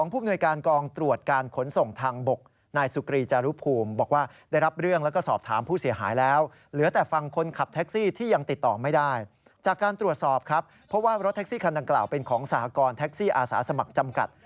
เพราะว่ารถแท็กซี่คันดังกล่าวเป็นของสหกรณ์แท็กซี่อาสาสมัครจำกัด